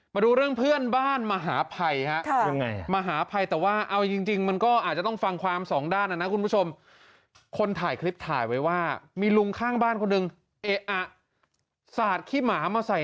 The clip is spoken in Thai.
มาดูเรื่องเพื่อนบ้านมหาภัยฮะยังไงมหาภัยแต่ว่าเอาจริงมันก็อาจจะต้องฟังความสองด้านนะนะคุณผู้ชมคนถ่ายคลิปถ่ายไว้ว่ามีลุงข้างบ้านคนหนึ่งเอะอะสาดขี้หมามาใส่